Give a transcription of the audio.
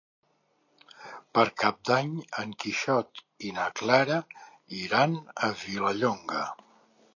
Per Cap d'Any en Quixot i na Clara iran a Vilallonga.